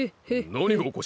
なにがおかしい？